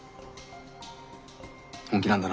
本気なんだな。